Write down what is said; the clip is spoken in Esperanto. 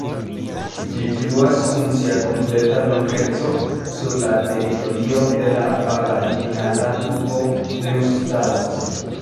Ĝi fluas kun sia kompleta longeco sur la teritorio de la palatinata urbo Neustadt.